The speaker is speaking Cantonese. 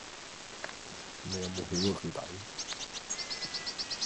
你有冇起過佢底？